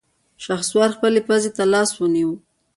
شهسوار خپلې پزې ته لاس ونيو.